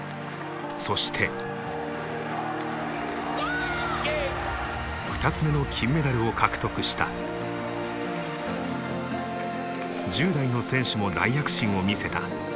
そして２つ目の金メダルを獲得した１０代の選手も大躍進を見せた。